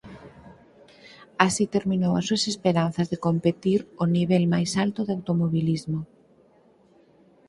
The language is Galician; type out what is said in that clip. Así terminou as súas esperanzas de competir ó nivel máis alto de automobilismo.